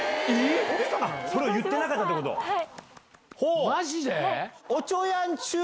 それを言ってなかったってこはい。